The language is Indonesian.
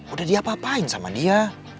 udah diapa apain sama dia